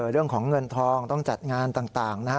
เรื่องของเงินทองต้องจัดงานต่างนะฮะ